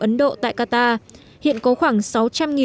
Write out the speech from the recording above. ấn độ tại qatar hiện có khoảng